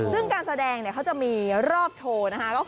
ซึ่งการแสดงจะมีรอบโชว์